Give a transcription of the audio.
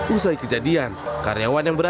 usai kejadian karyawan yang berada